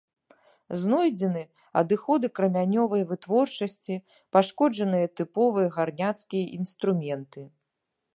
Знойдзены адыходы крамянёвай вытворчасці, пашкоджаныя тыповыя гарняцкія інструменты.